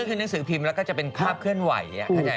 ก็คือหนังสือพิมพ์แล้วก็จะเป็นภาพเคลื่อนไหว